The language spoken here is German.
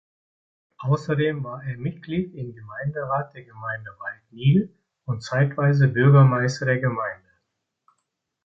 Außerdem war er Mitglied im Gemeinderat der Gemeinde Waldniel und zeitweise Bürgermeister der Gemeinde.